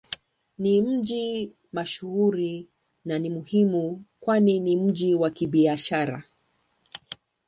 Ni mji mashuhuri na ni muhimu kwani ni mji wa Kibiashara.